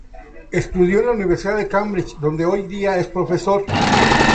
Estudió en la Universidad de Cambridge, donde hoy día es profesor.